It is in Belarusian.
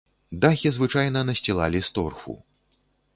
Дахі звычайна насцілалі з торфу.